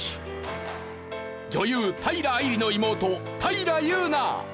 女優平愛梨の妹平祐奈。